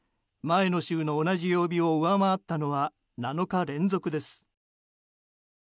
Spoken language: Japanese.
前の週の同じ曜日を上回ったのは７日連続です。